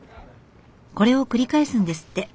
これを繰り返すんですって。